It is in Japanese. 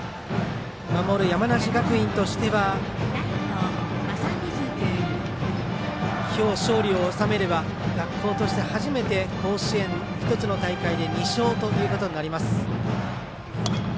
守る山梨学院としては今日、勝利を収めれば学校として初めて甲子園１つの大会で２勝ということになります。